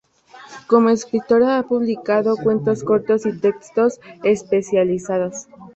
Como escritora ha publicado cuentos cortos y textos especializados.